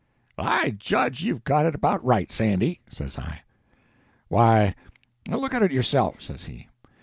"I judge you've got it about right, Sandy," says I. "Why, look at it yourself," says he.